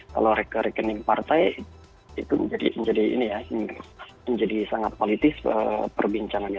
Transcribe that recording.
kalau rekening partai itu menjadi ini ya menjadi sangat politis perbincangannya